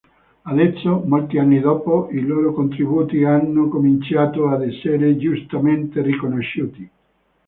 Adesso, molti anni dopo, i loro contributi hanno cominciato ad essere giustamente riconosciuti.